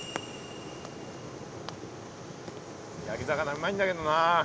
焼き魚うまいんだけどな。